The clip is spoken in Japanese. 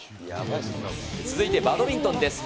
続いてバドミントンです。